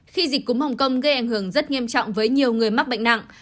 khi dịch cúm hồng kông gây ảnh hưởng rất nghiêm trọng với nhiều người mắc bệnh nặng